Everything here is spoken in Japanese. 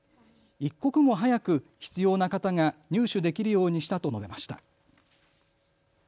一刻も早く必要な方が入手できるようにしたと述べました。